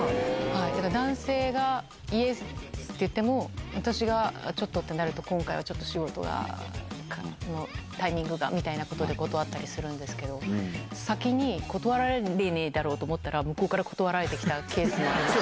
男性がイエスって言っても、私がちょっとってなると、今回はちょっと仕事が、タイミングがみたいなことで断ったりするんですけど、先に断られねぇだろうと思ったら、向こうから断られてきたケースもありました。